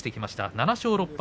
７勝６敗